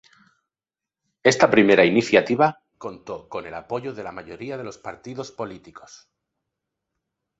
Esta primera iniciativa contó con el apoyo de la mayoría de los partidos políticos.